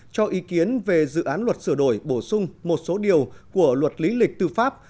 cho ý kiến về dự án luật sửa đổi bổ sung một số điều của luật lý lịch tư pháp